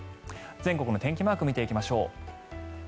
全国の天気マーク見ていきましょう。